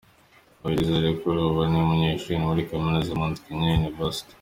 Noella Izere kuri ubu ni umunyeshuri muri Kaminuza ya Mount Kenya University.